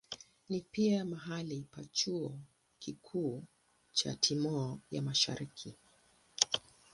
Ni pia mahali pa chuo kikuu cha Timor ya Mashariki.